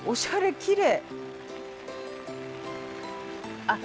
きれい。